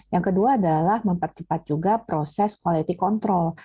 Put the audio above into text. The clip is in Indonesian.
yang kedua adalah mempercepat juga proses quality control